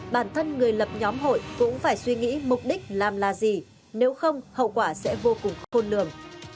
bản thân người lập nhóm hội cũng phải suy nghĩ mục đích làm là gì nếu không hậu quả sẽ vô cùng khôn lường